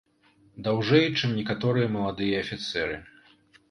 Даўжэй, чым некаторыя маладыя афіцэры.